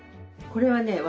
これはね